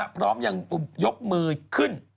พร้อมยังยกมือขึ้น